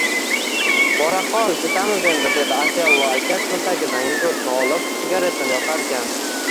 Bora qol, ketamiz endi, dedi Otello aka cho`ntagidan gugurtni olib sigaretini yoqarkan